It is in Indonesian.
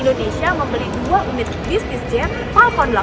indonesia membeli dua unit bisnis jet falcon delapan x